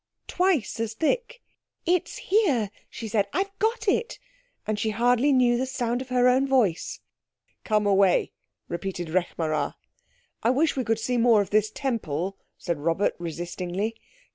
Twice as thick. "It's here!" she said, "I've got it!" And she hardly knew the sound of her own voice. "Come away," repeated Rekh marā. "I wish we could see more of this Temple," said Robert resistingly.